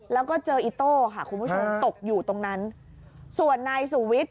แล้วก็เจออิโต้ค่ะคุณผู้ชมตกอยู่ตรงนั้นส่วนนายสุวิทย์